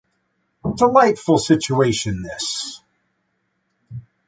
Delightful situation this.